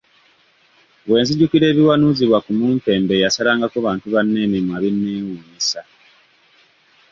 Bwe nzijukira ebiwanuzibwa ku mumpembe eyasalangako bantu banne emimwa bineewuunyisa.